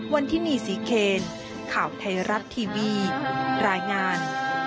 วันที่นี่ศรีเคนข่าวไทยรัฐทีวีรายงาน